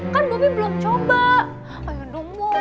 kan bobby belum coba